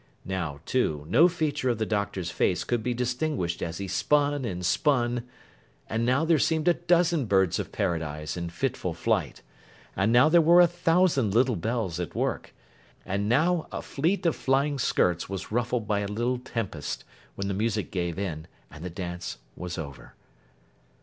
Now, too, no feature of the Doctor's face could be distinguished as he spun and spun; and now there seemed a dozen Birds of Paradise in fitful flight; and now there were a thousand little bells at work; and now a fleet of flying skirts was ruffled by a little tempest, when the music gave in, and the dance was over.